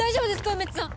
梅津さん！